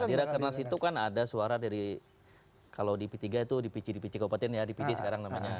nah di rakernas itu kan ada suara dari kalau di p tiga itu di pc di pc kabupaten ya di pd sekarang namanya